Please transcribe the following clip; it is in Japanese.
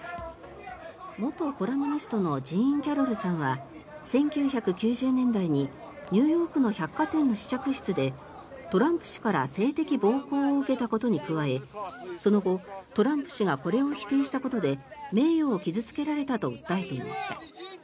元コラムニストのジーン・キャロルさんは１９９０年代にニューヨークの百貨店の試着室でトランプ氏から性的暴行を受けたことに加えその後、トランプ氏がこれを否定したことで名誉を傷付けられたと訴えていました。